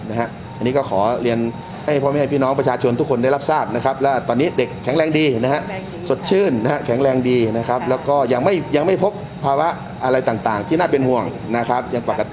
อันนี้ก็ขอเรียนให้พ่อมีให้พี่น้องประชาชนทุกคนได้รับทราบ